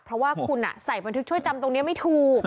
เพราะว่าคุณใส่บันทึกช่วยจำตรงนี้ไม่ถูก